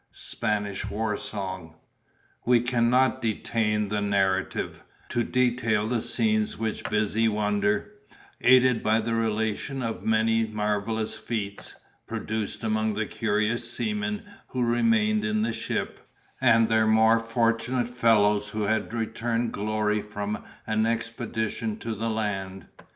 Spanish War Song. We cannot detain the narrative, to detail the scenes which busy wonder, aided by the relation of divers marvellous feats, produced among the curious seamen who remained in the ship, and their more fortunate fellows who had returned glory from an expedition to the land.